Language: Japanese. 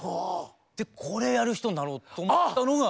でこれやる人になろうと思ったのが。